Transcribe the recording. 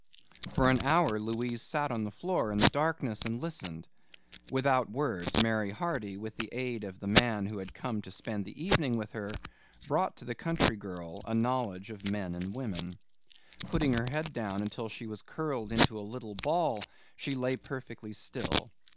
For an hour Louise sat on the floor in the darkness and listened. Without words Mary Hardy, with the aid of the man who had come to spend the evening with her, brought to the country girl a knowledge of men and women. Putting her head down until she was curled into a little ball she lay perfectly still.